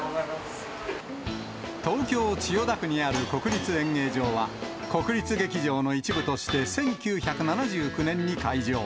東京・千代田区にある国立演芸場は、国立劇場の一部として１９７９年に開場。